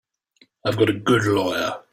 I've got a good lawyer.